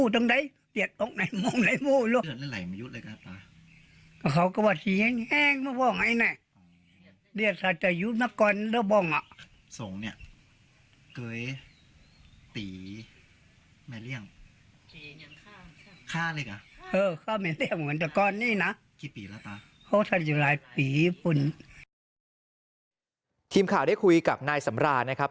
ทีมข่าวได้คุยกับนายสำรานะครับ